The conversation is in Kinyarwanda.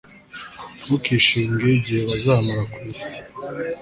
ntukishinge igihe bazamara ku isi